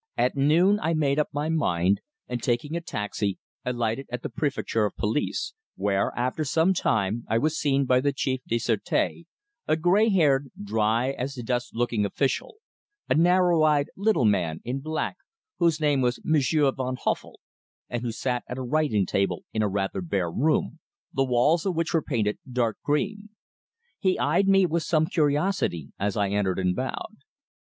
At noon I made up my mind, and taking a taxi, alighted at the Préfecture of Police, where, after some time, I was seen by the Chef du Sureté, a grey haired, dry as dust looking official a narrow eyed little man, in black, whose name was Monsieur Van Huffel, and who sat at a writing table in a rather bare room, the walls of which were painted dark green. He eyed me with some curiosity as I entered and bowed.